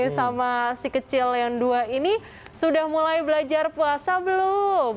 sama si kecil yang dua ini sudah mulai belajar puasa belum